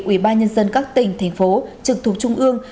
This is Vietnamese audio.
ủy ba nhân dân các tỉnh thành phố trực thúc trung ương